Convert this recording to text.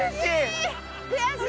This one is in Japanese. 悔しい！